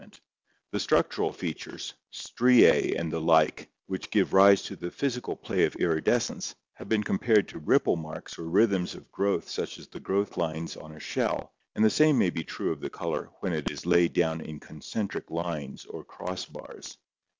240 ORGANIC EVOLUTION The structural features, striae and the like, which give rise to the physical play of iridescence, have been compared to ripple marks or rhythms of growth such as the growth lines on a shell, and the same may be true of the color when it is laid down in concentric lines or cross bars.